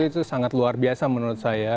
itu sangat luar biasa menurut saya